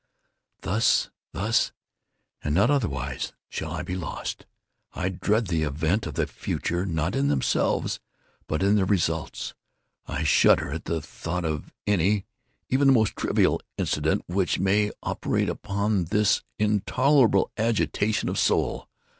Thus, thus, and not otherwise, shall I be lost. I dread the events of the future, not in themselves, but in their results. I shudder at the thought of any, even the most trivial, incident, which may operate upon this intolerable agitation of soul.